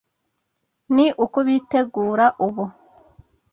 ni ukubitegura ubu